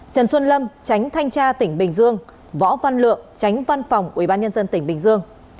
trần xuân lâm tránh thanh tra tỉnh bình dương võ văn lượng tránh văn phòng ubnd tỉnh bình dương